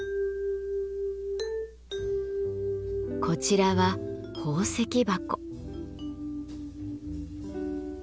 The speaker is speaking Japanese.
こちらは宝石箱。